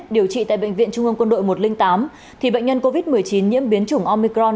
điều trị tại bệnh viện trung ương quân đội một trăm linh tám thì bệnh nhân covid một mươi chín nhiễm biến chủng omicron